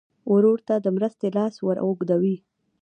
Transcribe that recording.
ورور ته د مرستې لاس ور اوږدوې.